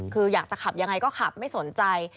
คืออยากจะขับยังไงก็ขับไม่สนใจ